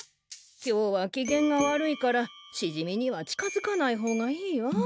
今日は機嫌が悪いからしじみには近づかない方がいいわ。